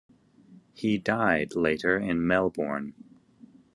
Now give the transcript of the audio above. He died later in Melbourne.